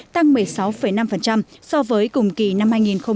tăng một mươi sáu năm so với cùng kỳ năm hai nghìn một mươi tám